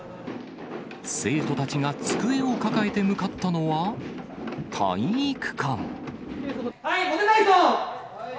生徒たちが机を抱えて向かったのは体育館。